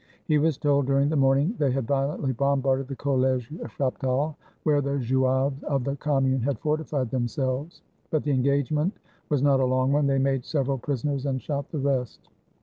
He was told during the morning they had violently bombarded the College Chaptal, where the Zouaves of the Commune had fortified themselves; but the engagement was not a long one, they made sev eral prisoners and shot the rest.